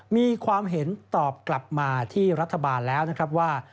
มีความเห็นตอบกลับมาที่รัฐบาลแล้วนะครับว่า